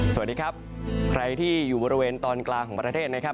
สวัสดีครับใครที่อยู่บริเวณตอนกลางของประเทศนะครับ